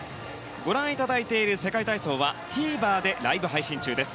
ご覧いただいている世界体操はＴＶｅｒでライブ配信中です。